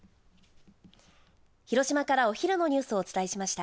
広島からお昼のニュースをお伝えしました。